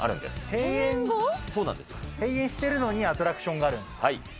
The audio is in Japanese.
閉園してるのにアトラクションがある？